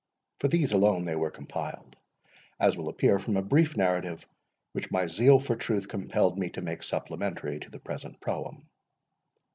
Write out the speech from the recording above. For these alone they were compiled, as will appear from a brief narrative which my zeal for truth compelled me to make supplementary to the present Proem.